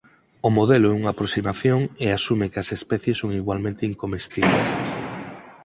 O modelo é unha aproximación e asume que as especies son igualmente incomestibles.